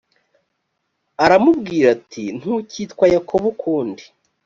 aramubwira ati ntucyitwa yakobo ukundi